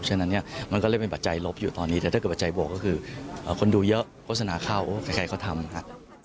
ฉะนั้นเนี่ยมันก็เลยเป็นปัจจัยลบอยู่ตอนนี้แต่ถ้าเกิดปัจจัยบวกก็คือคนดูเยอะโฆษณาเข้าใครเขาทำครับ